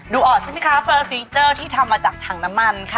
ดูออกใช่มั้ยคะแฟลท์ฐีเจอร์ที่ทำมาจากถั่งน้ำมันค่ะ